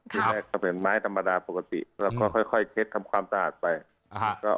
ที่แรกก็เป็นไม้ธรรมดาปกติเราค่อยค่อยเค็ดความสะอาดไปอ้าว